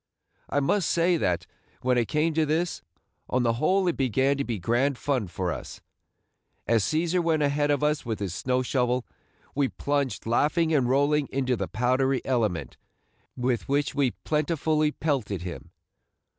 I must say that, when it came to this, on the whole it began to be grand fun for us. As Cæsar went ahead of us with his snow shovel, we plunged laughing and rolling into the powdery element, with which we plentifully pelted him.